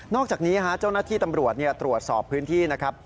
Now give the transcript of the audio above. อกจากนี้เจ้าหน้าที่ตำรวจตรวจสอบพื้นที่นะครับ